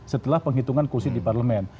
setelah penghitungan kursi di parlemen